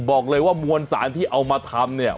บอกเลยว่ามวลสารที่เอามาทำเนี่ย